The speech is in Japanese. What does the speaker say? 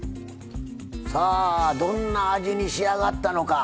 さあどんな味に仕上がったのか。